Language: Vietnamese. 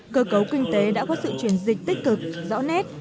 cơ cấu kinh tế đã có sự chuyển dịch tích cực rõ nét